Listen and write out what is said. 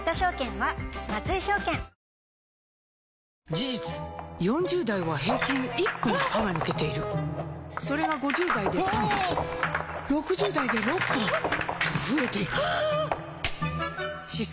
事実４０代は平均１本歯が抜けているそれが５０代で３本６０代で６本と増えていく歯槽